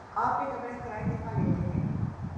آپ ایک کمرے کا کرایہ کتنا لیتے ہیں؟